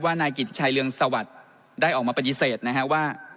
นายกิติชัยเรืองสวัสดิ์ได้ออกมาปฏิเสธนะฮะว่า